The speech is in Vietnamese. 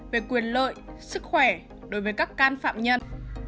về quyền lợi sức khỏe đối với các can phạm nhân